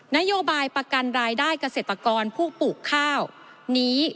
นโยบายประกันรายได้เกษตรกรผู้ปลูกข้าวนี้